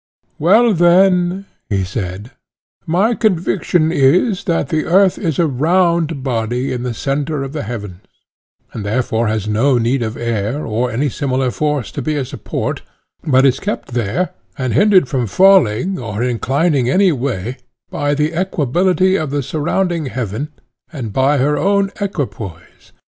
Well, then, he said, my conviction is, that the earth is a round body in the centre of the heavens, and therefore has no need of air or any similar force to be a support, but is kept there and hindered from falling or inclining any way by the equability of the surrounding heaven and by her own equipoise.